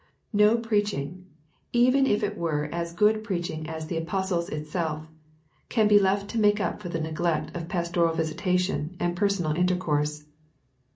No preaching, even if it were as good preaching as the apostle's itself, can be left to make up for the neglect of pastoral visitation and personal intercourse.